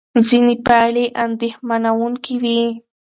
ځینې پایلې اندېښمنوونکې وې.